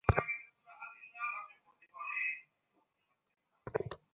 পররাষ্ট্র মন্ত্রণালয় জানায়, রাষ্ট্রদূত ন্যান্সি পাওয়েলকে ইতিমধ্যে মন্ত্রণালয়ে তলব করা হয়েছে।